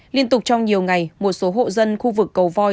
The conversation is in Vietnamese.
liên tục trong nhiều ngày một số hộ dân khu vực cầu voi